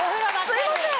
すいません！